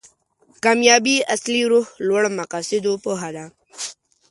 کامیابي اصلي روح لوړ مقاصدو پوهه ده.